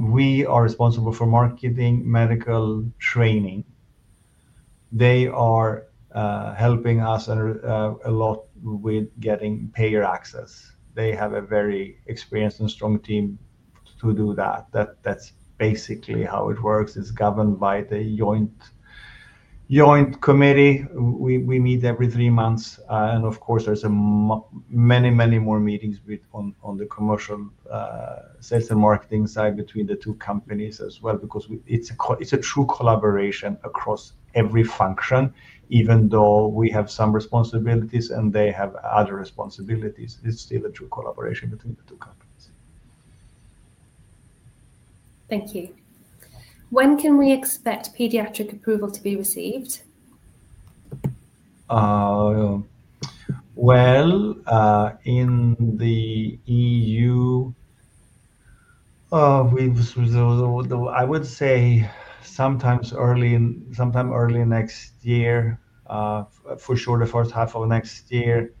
We are responsible for marketing, medical training. They are helping us a lot with getting payer access. They have a very experienced and strong team to do that. That's basically how it works. It's governed by the joint committee. We meet every three months. Of course, there's many, many more meetings on the commercial sales and marketing side between the two companies as well because it's a true collaboration across every function. Even though we have some responsibilities and they have other responsibilities, it's still a true collaboration between the two companies. Thank you. When can we expect pediatric approval to be received? In the EU, I would say sometime early next year, for sure the first half of next year.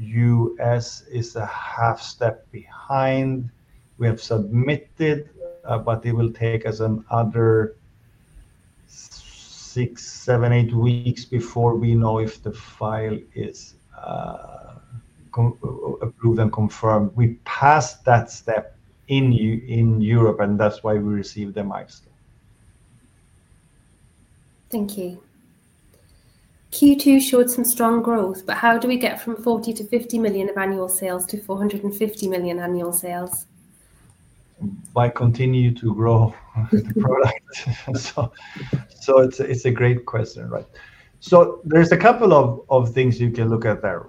U.S. is a half step behind. We have submitted, but it will take us another six, seven, eight weeks before we know if the file is approved and confirmed. We passed that step in Europe, and that's why we received the milestone. Thank you. Q2 shows some strong growth. How do we get from $40 to $50 million of annual sales to $450 million annual sales? By continuing to grow the product, it's a great question, right? There are a couple of things you can look at there.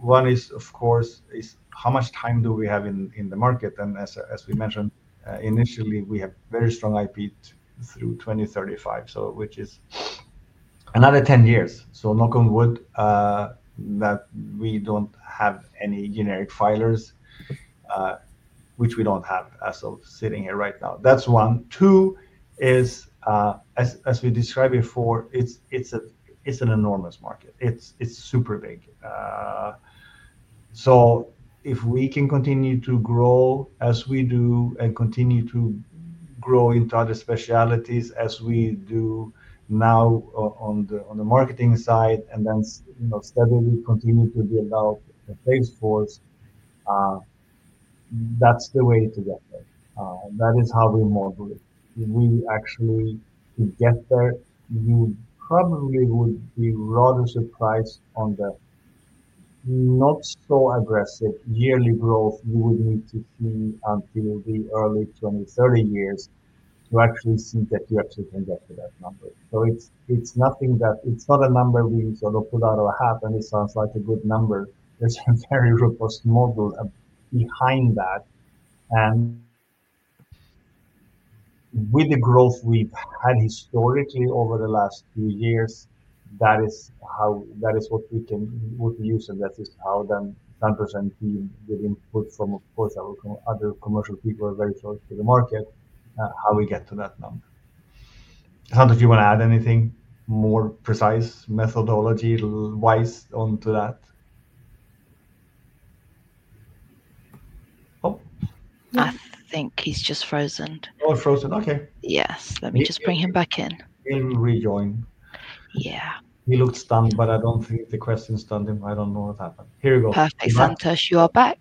One is, of course, how much time do we have in the market? As we mentioned initially, we have very strong intellectual property protection through 2035, which is another 10 years. Knock on wood that we don't have any generic filers, which we don't have as of sitting here right now. That's one. Two is, as we described before, it's an enormous market. It's super big. If we can continue to grow as we do and continue to grow into other specialties as we do now on the marketing side, and then next level we continue to build out the sales force, that's the way to get there. That is how we model it. If we actually get there, you probably would be rather surprised on the not so aggressive yearly growth you would need to see until the early 2030 years. You actually see that you actually can get to that number. It's not a number we sort of put out of our hat, and it sounds like a good number. There's a very robust model behind that. With the growth we've had historically over the last few years, that is what we can use and that is how Santosh and the input from, of course, other commercial people who are very close to the market, how we get to that number. Santosh, do you want to add anything more precise methodology-wise onto that? Oh, I think he's just frozen. Oh, frozen. Okay. Yes, let me just bring him back in. He'll rejoin. Yeah. He looked stunned. I don't think the question stunned him. I don't know that. Here we go. Perfect. Santosh, you are back.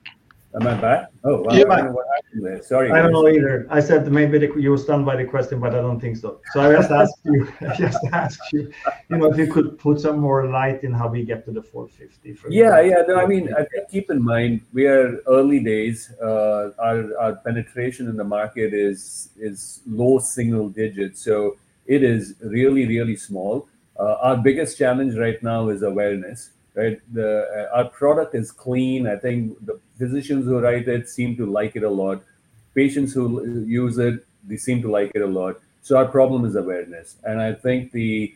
Am I back? I don't know what happened there. Sorry. I don't know either. I said the main video, you were stunned by the question, but I don't think so. I just asked you if you could put some more light in how we get to the 450 for sure. Yeah, yeah. No, I mean, keep in mind, we are early days. Our penetration in the market is low single digits. It is really, really small. Our biggest challenge right now is awareness, right? Our product is clean. I think the physicians who write it seem to like it a lot. Patients who use it, they seem to like it a lot. Our problem is awareness. I think the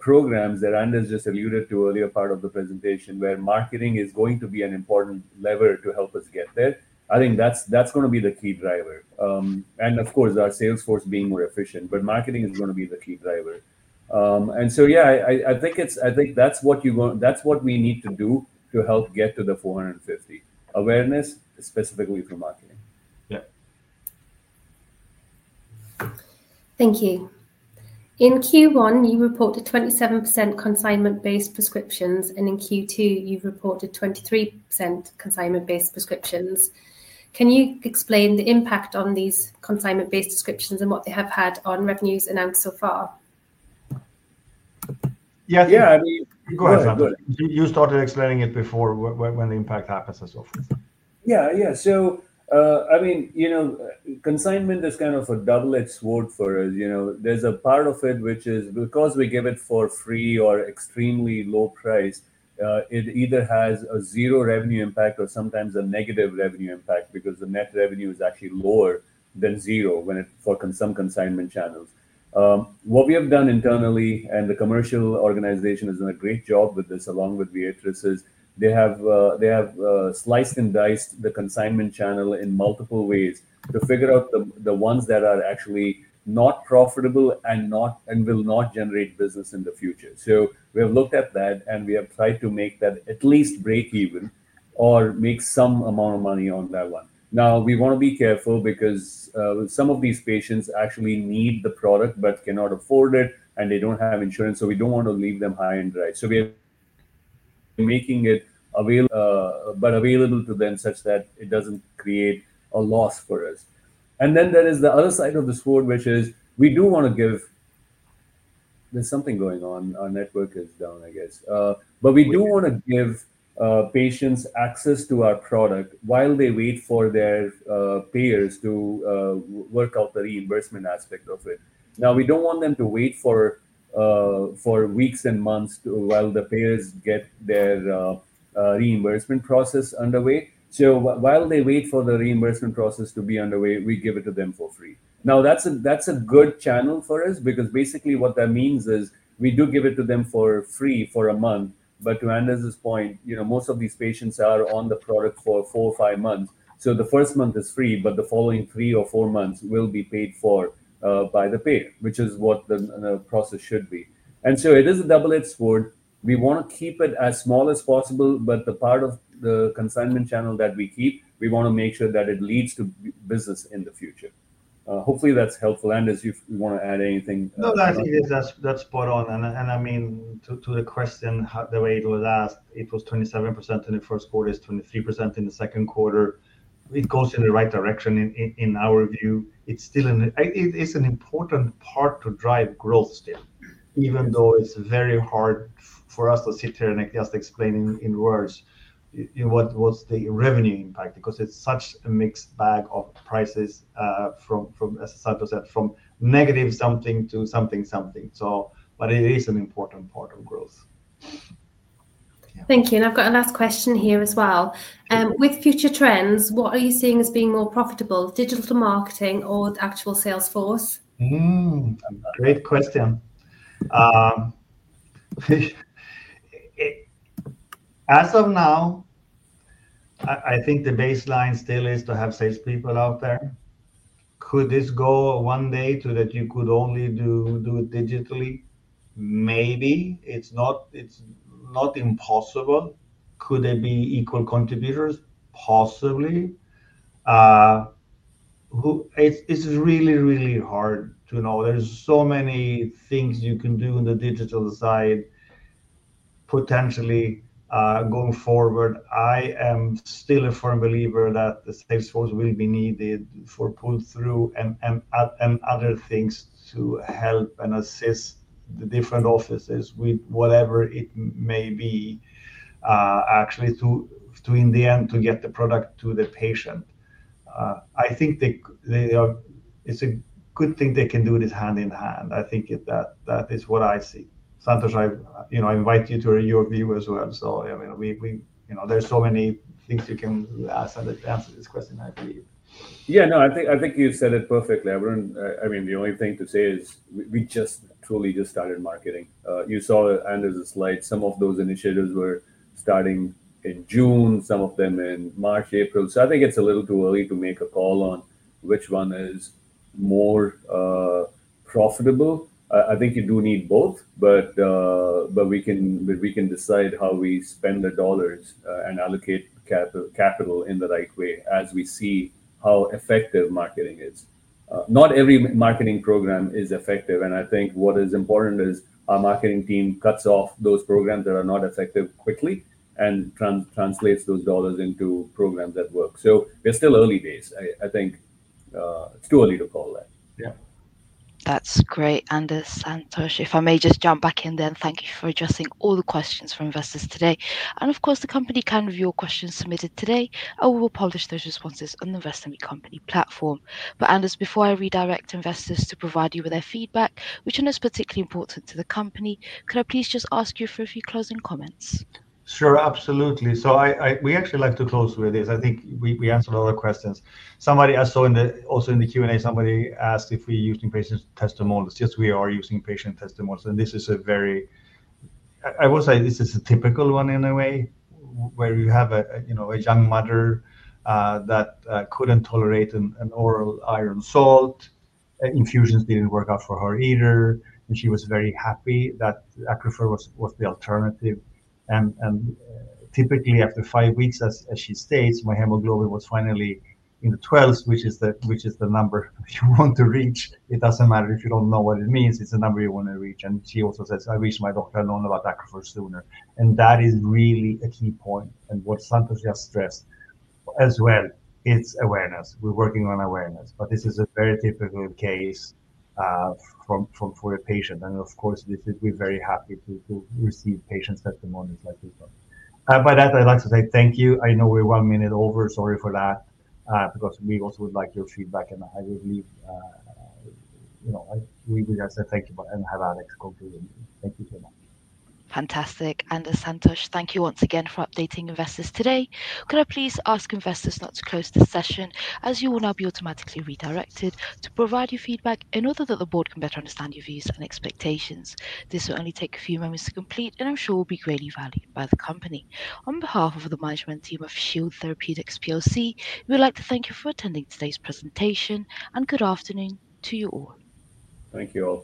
programs that Anders just alluded to earlier part of the presentation, where marketing is going to be an important lever to help us get there, I think that's going to be the key driver. Of course, our sales force being more efficient. Marketing is going to be the key driver. I think that's what we need to do to help get to the 450. Awareness specifically for marketing. Yeah. Thank you. In Q1, you reported 27% consignment-based prescriptions. In Q2, you've reported 23% consignment-based prescriptions. Can you explain the impact on these consignment-based prescriptions and what they have had on revenues announced so far? Yeah, go ahead, Santosh. You started explaining it before, when the impact happens and so forth. Yeah, yeah. Consignment is kind of a double-edged sword for us. There's a part of it which is because we give it for free or extremely low price, it either has a zero revenue impact or sometimes a negative revenue impact because the net revenue is actually lower than zero for some consignment channels. What we have done internally, and the commercial organization has done a great job with this along with Viatris, is they have sliced and diced the consignment channel in multiple ways to figure out the ones that are actually not profitable and will not generate business in the future. We have looked at that and we have tried to make that at least break even or make some amount of money on that one. We want to be careful because some of these patients actually need the product but cannot afford it, and they don't have insurance. We don't want to leave them high and dry. We're making it available, but available to them such that it doesn't create a loss for us. Then there is the other side of the sword, which is we do want to give—there's something going on. Our network is down, I guess. We do want to give patients access to our product while they wait for their payers to work out the reimbursement aspect of it. We don't want them to wait for weeks and months while the payers get their reimbursement process underway. While they wait for the reimbursement process to be underway, we give it to them for free. That's a good channel for us because basically what that means is we do give it to them for free for a month. To Anders' point, most of these patients are on the product for four or five months. The first month is free, but the following three or four months will be paid for by the payer, which is what the process should be. It is a double-edged sword. We want to keep it as small as possible, but the part of the consignment channel that we keep, we want to make sure that it leads to business in the future. Hopefully, that's helpful. Anders, you want to add anything? No. That's spot on. To the question, the way it was asked, it was 27% in the first quarter, it's 23% in the second quarter. It goes in the right direction in our view. It's still an important part to drive growth still, even though it's very hard for us to sit here and just explain in words what's the revenue impact because it's such a mixed bag of prices, from, as Santosh said, from negative something to something something. It is an important part of growth. Thank you. I've got a last question here as well. With future trends, what are you seeing as being more profitable, digital marketing or the actual sales force? Great question. As of now, I think the baseline still is to have salespeople out there. Could this go one day to that you could only do it digitally? Maybe. It's not impossible. Could there be equal contributors? Possibly. It's really, really hard to know. There are so many things you can do on the digital side. Potentially, going forward, I am still a firm believer that the sales force will be needed for pull-through and other things to help and assist the different offices with whatever it may be, actually, in the end, to get the product to the patient. I think it's a good thing they can do this hand in hand. I think that is what I see. Santosh, I invite you to review as well. There are so many things you can ask and answer this question, I believe. Yeah. No, I think you've said it perfectly. I mean, the only thing to say is we just truly just started marketing. You saw Anders' slides. Some of those initiatives were starting in June, some of them in March, April. I think it's a little too early to make a call on which one is more profitable. I think you do need both. We can decide how we spend the dollars and allocate capital in the right way as we see how effective marketing is. Not every marketing program is effective. I think what is important is our marketing team cuts off those programs that are not effective quickly and translates those dollars into programs that work. They're still early days. I think it's too early to call that. Yeah. That's great, Anders. Santosh, if I may just jump back in there, thank you for addressing all the questions from investors today. The company can review your questions submitted today, and we will publish those responses on the rest of the company platform. Anders, before I redirect investors to provide you with their feedback, which is particularly important to the company, could I please just ask you for a few closing comments? Sure, absolutely. We actually like to close with this. I think we answered all the questions. Somebody also in the Q&A asked if we're using patient testimonials. Yes, we are using patient testimonials. This is a very, I will say, this is a typical one in a way where you have a young mother that couldn't tolerate an oral iron salt. Infusions didn't work out for her either. She was very happy that ACCRUFeR was the alternative. Typically, after five weeks, as she states, my hemoglobin was finally in the 12s, which is the number you want to reach. It doesn't matter if you don't know what it means. It's the number you want to reach. She also says, I reached my doctor alone about ACCRUFeR sooner. That is really a key point. What Santosh has stressed as well, it's awareness. We're working on awareness. This is a very typical case for a patient. Of course, we'd be very happy to receive patient testimonials like this one. By that, I'd like to say thank you. I know we're one minute over. Sorry for that. We also would like your feedback. I believe we have said thank you and have had excellent conclusion. Thank you so much. Fantastic. Anders, Santosh, thank you once again for updating investors today. Could I please ask investors not to close the session as you will now be automatically redirected to provide your feedback in order that the Board can better understand your views and expectations. This will only take a few moments to complete. I'm sure it will be greatly valued by the company. On behalf of the management team of Shield Therapeutics PLC, we would like to thank you for attending today's presentation. Good afternoon to you all. Thank you all.